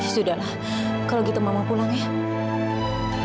sudahlah kalau gitu mama pulang ya